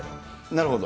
なるほど。